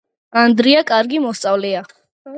ანდრია კარგი მოსწავლეა